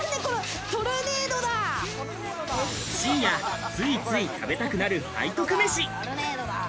深夜、ついつい食べたくなる背徳飯。